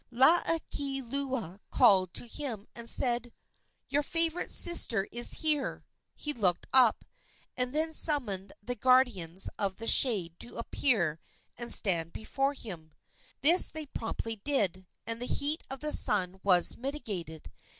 Laukieleula called to him and said: "Your favorite sister is here." He looked up, and then summoned the guardians of the shade to appear and stand before him. This they promptly did, and the heat of the sun was mitigated.